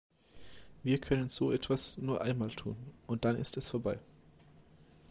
Wir können so etwas nur einmal tun und dann ist es vorbei.